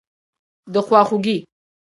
دخوا خوګۍ